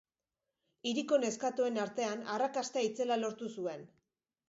Hiriko neskatoen artean arrakasta itzela lortu zuen.